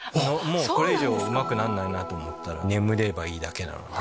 これ以上うまくなんないなら眠ればいいだけなんで。